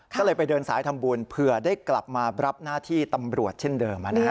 ก็เลยไปเดินสายทำบุญเผื่อได้กลับมารับหน้าที่ตำรวจเช่นเดิม